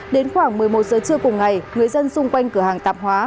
đến khoảng một mươi một giờ trưa cùng ngày người dân xung quanh cửa hàng tạp hóa